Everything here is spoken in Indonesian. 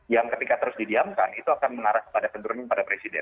yang ketika terus didiamkan itu akan mengarah kepada penurunan pada presiden